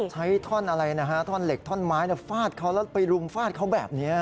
ท่อนอะไรนะฮะท่อนเหล็กท่อนไม้ฟาดเขาแล้วไปรุมฟาดเขาแบบนี้